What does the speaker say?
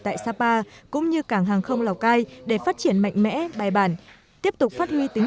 tại sapa cũng như cảng hàng không lào cai để phát triển mạnh mẽ bài bản tiếp tục phát huy tính